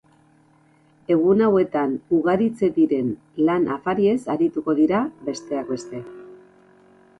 Egun hauetan ugaritze diren lan afariez arituko dira, besteak beste.